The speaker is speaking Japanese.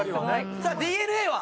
さあＤｅＮＡは。